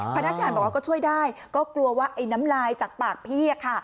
พนักงานบอกว่าก็ช่วยได้ก็กลัวว่าไอ้น้ำลายจากปากพี่